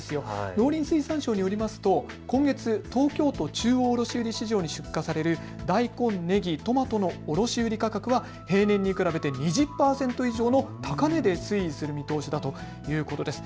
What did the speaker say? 農林水産省によりますと今月、東京都中央卸売市場に出荷される大根、ねぎ、トマトの卸売価格は平年に比べて２０％以上の高値で推移する見通しだということです。